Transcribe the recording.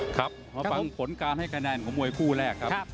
ครับมาฟังผลการให้คะแนนของมวยคู่แรกครับ